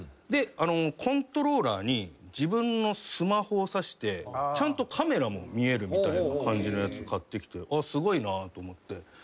コントローラーに自分のスマホをさしてちゃんとカメラも見えるみたいな感じのやつ買ってきてすごいなと思って。